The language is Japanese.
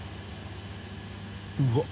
うわっ。